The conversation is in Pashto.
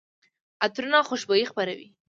عطرونه خوشبويي خپروي.